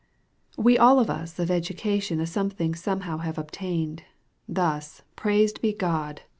We all of us of education A something somehow have obtained, Thus, praised be God